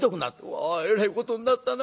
「うわえらいことになったな。